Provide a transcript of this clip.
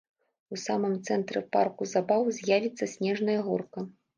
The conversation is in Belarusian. У самым цэнтры парку забаў з'явіцца снежная горка.